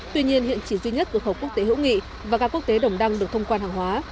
tuy nhiên hiện chỉ duy nhất cửa khẩu quốc tế hữu nghị và ga quốc tế đồng đăng được thông quan hàng hóa